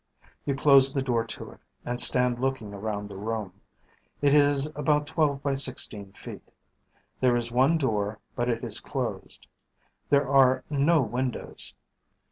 You close the door to it and stand looking around the room. It is about twelve by sixteen feet. There is one door, but it is closed. There are no windows.